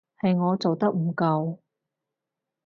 係我做得唔夠